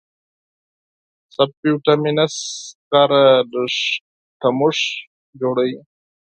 سب بټومینس سکاره لږ تودوخه تولیدوي.